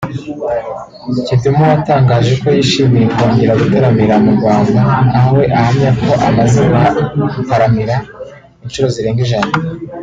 Kidum watangaje ko yishimiye kongera gutaramira mu Rwanda aho we ahamya ko amaze kuhataramira inshuro zirenga ijana